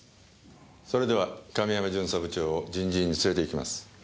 それでは亀山巡査部長を人事院に連れて行きます。